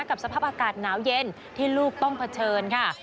กับสภาพอากาศหนาวเย็นที่ลูกต้องเผชิญค่ะ